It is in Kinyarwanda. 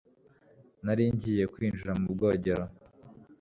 Nari ngiye kwinjira mu bwogero